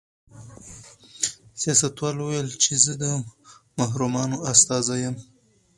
سیاستوال وویل چې زه د محرومانو استازی یم.